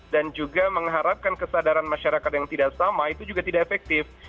dan juga mengharapkan kesadaran masyarakat yang tidak sama itu juga tidak efektif